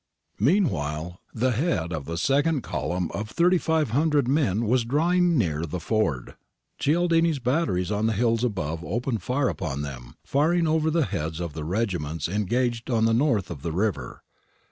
Meanwhile, the head of the second column of 3500 men was drawing near the ford. Cialdini's batteries on the hills above opened upon them, firing over the heads of the regiments engaged on the north of the river.